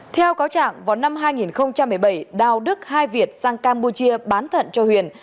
theo cáo trạng vào năm hai nghìn một mươi bảy đào đức hai việt sang campuchia bán thận cho huyền